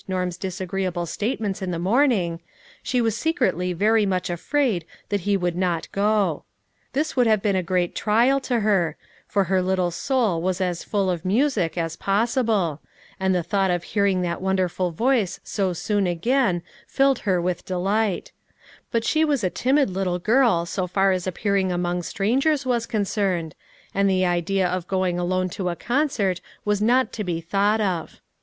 Norm's disagreeable statements in the morning, she was secretly very much afraid that he would not go. This would have been a great trial to her, for her little soul was as full of music as possible ; and the thought of hearing that won derful voice so soon again filled her with delight ; but she was a timid little girl so far as appear ing among strangers was concerned, and the idea of going alone to a concert was not to be thought of.